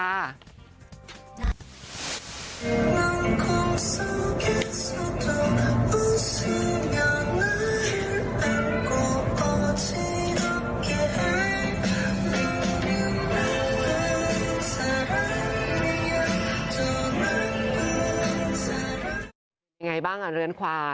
ยังไงบ้างเรือนขวา